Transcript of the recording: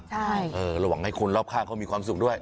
เราหวังให้คนรอบข้างมีความสุขด้วย